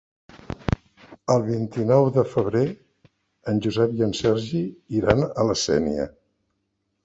El vint-i-nou de febrer en Josep i en Sergi iran a la Sénia.